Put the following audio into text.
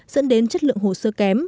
dẫn đến chất lượng hồ sơ kém